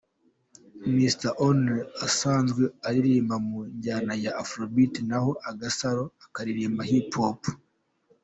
Mr Only asanzwe aririmba mu njyana ya Afrobeat naho Agasaro akaririmba Hip Hop.